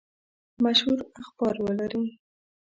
مشهور اخبار ولري.